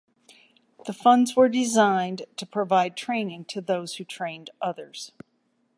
The funds were designed to provide training to those who trained others.